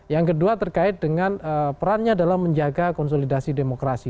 yang kedua terkait dengan perannya dalam menjaga konsolidasi demokrasi